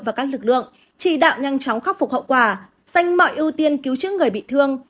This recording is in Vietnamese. và các lực lượng chỉ đạo nhanh chóng khắc phục hậu quả xanh mọi ưu tiên cứu chức người bị thương